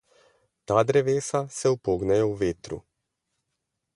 Ta drevesa se upognejo v vetru.